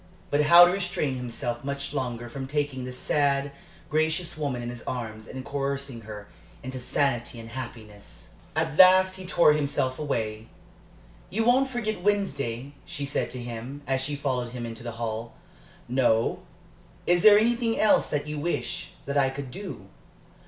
But how to restrain himself much longer from taking the sad, gracious woman in his arms and coercing her into sanity and happiness! At last he tore himself away. "You won't forget Wednesday?" she said to him, as she followed him into the hall. "No. Is there anything else that you wish that I could do?"